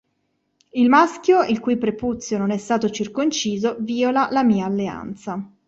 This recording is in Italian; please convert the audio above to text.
Il maschio il cui prepuzio non è stato circonciso viola la mia alleanza".